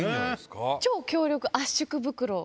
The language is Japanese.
超強力圧縮袋。